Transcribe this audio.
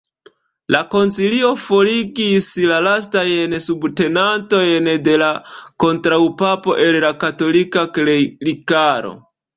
La koncilio forigis la lastajn subtenantojn de la kontraŭpapo el la katolika klerikaro.